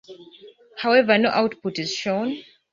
However, no output is shown.